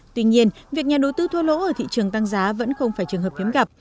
tuy nhiên việc nhà đầu tư thua lỗ ở thị trường tăng giá vẫn không phải trường hợp hiếm gặp